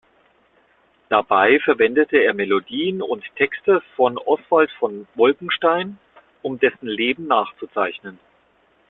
Dabei verwendete er Melodien und Texte von Oswald von Wolkenstein, um dessen Leben nachzuzeichnen.